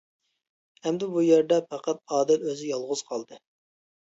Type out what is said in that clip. ئەمدى بۇ يەردە پەقەت ئادىل ئۆزى يالغۇز قالدى.